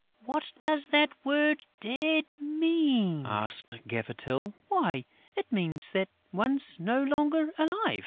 "What does that word 'dead' mean?" asked Gaffer Tyl. "Why, it means that one's no longer alive!"